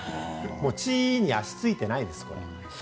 地に足がついていないですね。